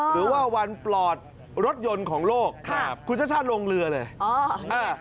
หรือว่าวันปลอดรถยนต์ของโลกครับคุณชาติชาติลงเรือเลยอ๋ออ่า